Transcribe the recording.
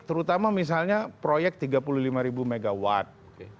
terutama misalnya proyek tiga puluh lima ribu megawatt